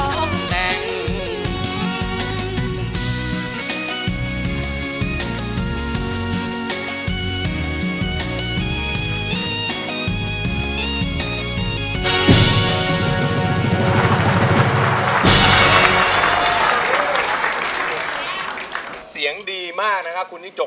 กล้าวทำไมกล้าอยู่ด้วย